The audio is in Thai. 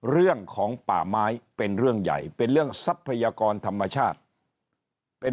เรื่องของป่าไม้เป็นเรื่องใหญ่เป็นเรื่องทรัพยากรธรรมชาติเป็น